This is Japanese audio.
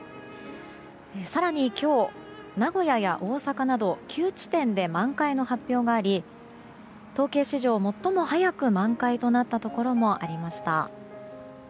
更に今日、名古屋や大阪など９地点で満開の発表があり統計史上最も早く満開となったところもありました。